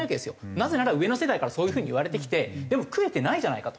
なぜなら上の世代からそういう風に言われてきてでも食えてないじゃないかと。